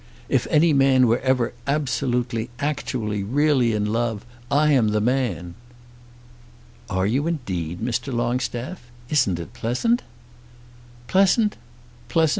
If any man were ever absolutely, actually, really in love, I am the man." "Are you indeed, Mr. Longstaff? Isn't it pleasant?" "Pleasant; pleasant?